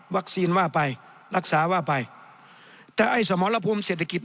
ว่าไปรักษาว่าไปแต่ไอ้สมรภูมิเศรษฐกิจ